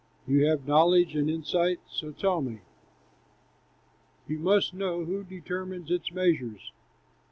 You have knowledge and insight, so tell me. You must know! Who determined its measures?